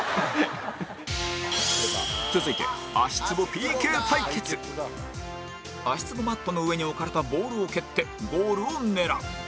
続いて足つぼマットの上に置かれたボールを蹴ってゴールを狙う